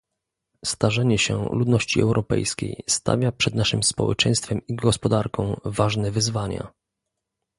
Starzenie się ludności europejskiej stawia przed naszym społeczeństwem i gospodarką ważne wyzwania